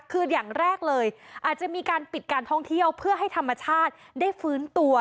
คืออย่างแรกเลยอาจจะมีการปิดการท่องเที่ยวเพื่อให้ธรรมชาติได้ฟื้นตัว